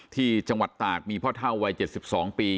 ที่จังหวัดตากมีพ่อเท่าวัย๗๒ปี